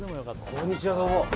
こんにちは。